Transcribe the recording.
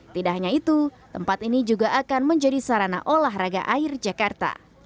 tidak hanya itu tempat ini juga akan menjadi sarana olahraga air jakarta